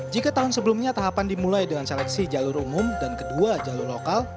jika tahun sebelumnya tahapan dimulai dengan seleksi jalur umum dan kedua jalur lokal